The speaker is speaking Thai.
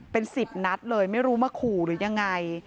เป็น๑๐นัดเลยไม่รู้มาขู่หรือยังไง